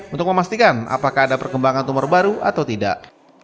untuk memastikan apakah ada perkembangan tumor baru atau tidak